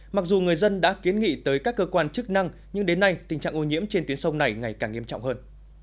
mặc dù người dân đã kiến nghị tới các cơ quan chức năng nhưng đến nay tình trạng ô nhiễm trên tuyến sông này ngày càng nghiêm trọng hơn